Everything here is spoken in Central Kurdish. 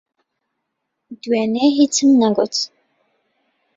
دوێنێ، ھیچم نەگوت.